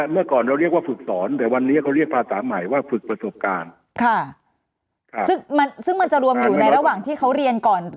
เมื่อก่อนเราเรียกว่าฝึกสอนแต่วันนี้เขาเรียกภาษาใหม่ว่าฝึกประสบการณ์ซึ่งมันซึ่งมันจะรวมอยู่ในระหว่างที่เขาเรียนก่อน